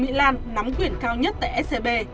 trương mỹ lan nắm quyền cao nhất tại scb